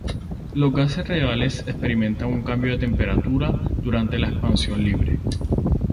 Los gases reales experimentan un cambio de temperatura durante la expansión libre.